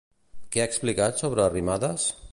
Què ha explicat sobre Arrimadas?